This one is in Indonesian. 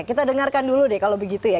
kita dengarkan dulu deh kalau begitu ya